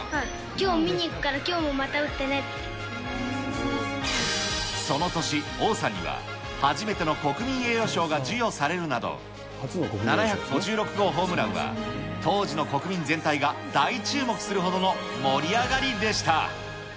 きょう見に行くから、その年、王さんには初めての国民栄誉賞が授与されるなど、７５６号ホームランは当時の国民全体が大注目するほどの盛り上がりでした。